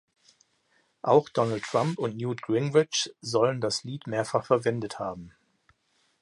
Auch Donald Trump und Newt Gingrich sollen das Lied mehrfach verwendet haben.